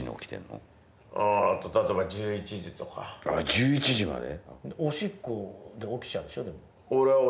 １１時まで？